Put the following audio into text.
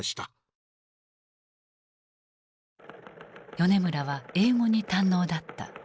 米村は英語に堪能だった。